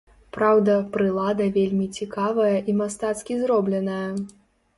Праўда, прылада вельмі цікавая і мастацкі зробленая.